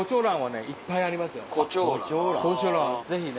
ぜひね。